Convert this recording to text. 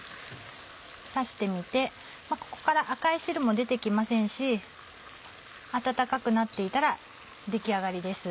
刺してみてここから赤い汁も出て来ませんし温かくなっていたら出来上がりです。